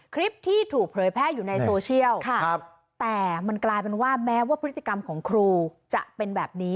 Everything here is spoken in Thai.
คลิปที่ถูกเผยแพร่อยู่ในโซเชียลแต่มันกลายเป็นว่าแม้ว่าพฤติกรรมของครูจะเป็นแบบนี้